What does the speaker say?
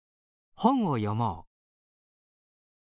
本を読もう。